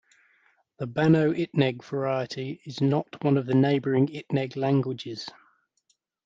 The Banao Itneg variety is not one of the neighboring Itneg languages.